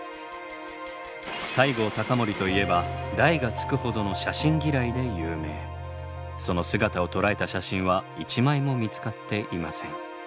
西郷隆盛といえば大がつくほどのその姿を捉えた写真は１枚も見つかっていません。